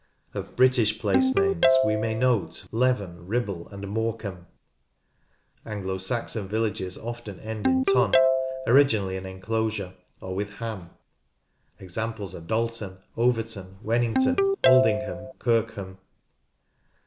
Of British place names we may note Leven, Ribble, and Morecambe. Anglo Saxon villages often end in " ton " (originally an enclosure) or with " bam.'''' Examples are Dalton, Overton, Wennington, Aldingham, Kirkham.